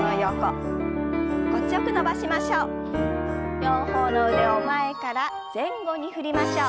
両方の腕を前から前後に振りましょう。